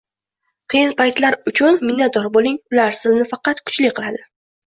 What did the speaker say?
Qiyin paytlar uchun minnatdor bo'ling, ular sizni faqat kuchli qiladi"